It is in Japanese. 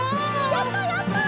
やったやった！